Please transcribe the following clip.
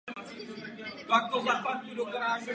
V té době na zemi existovali pouze černoši.